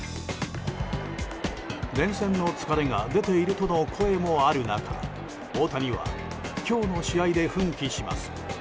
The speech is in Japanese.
連戦の疲れが出ているとの声もある中、大谷は今日の試合で奮起します。